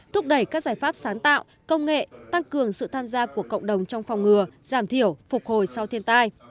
thúc đẩy các giải pháp sáng tạo công nghệ tăng cường sự tham gia của cộng đồng trong phòng ngừa giảm thiểu phục hồi sau thiên tai